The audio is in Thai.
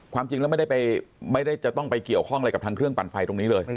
ความจริงแล้วไม่ได้จะต้องไปเกี่ยวข้องอะไรกับทางเครื่องปั่นไฟตรงนี้เลย